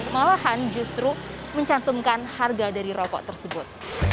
malahan justru mencantumkan harga dari rokok tersebut